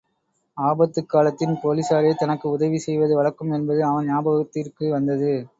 ஆபத்துக் காலத்தின் போலிஸாரே தனக்கு உதவி செய்வது வழக்கம் என்பது அவன் ஞாபகத்திற்கு வந்தது.